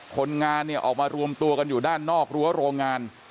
คนงานเนี่ยออกมารวมตัวกันอยู่ด้านนอกรั้วโรงงาน